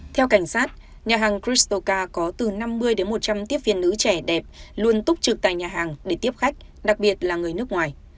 theo cảnh sát nhà hàng christoka có từ năm mươi đến một trăm linh tiếp viên nữ trẻ đẹp luôn túc trực tại nhà hàng để tiếp khách đặc biệt là người nước ngoài